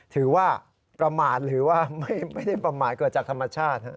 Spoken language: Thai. ถือว่าประมาทหรือว่าไม่ได้ประมาทเกิดจากธรรมชาติ